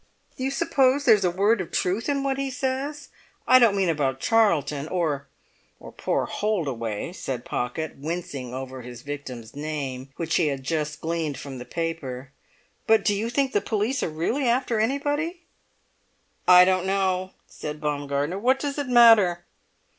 "Do you suppose there's a word of truth in what he says? I don't mean about Charlton or—or poor Holdaway," said Pocket, wincing over his victim's name, which he had just gleaned from the paper. "But do you think the police are really after anybody?" "I don't know," said Baumgartner. "What does it matter?"